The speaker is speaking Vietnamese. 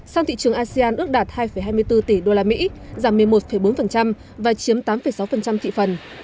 sang thị trường asean ước đạt hai hai mươi bốn tỷ đô la mỹ giảm một mươi một bốn và chiếm tám sáu thị phần